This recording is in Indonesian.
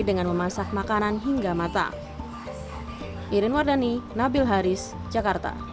dengan memasak makanan hingga matang